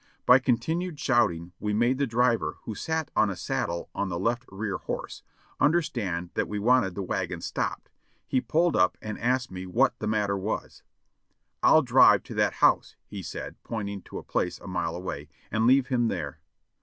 By continued shouting we made the driver, who sat on a saddle on the left rear horse, understand that we wanted the wagon stopped ; he pulled up and asked me what the matter was. "I'll drive to that house," he said, pointing to a place a mile away, "and leave him there."